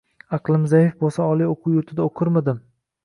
Aqlim zaif bo‘lsa, oliy o‘quv yurtida o‘qirmidim!?.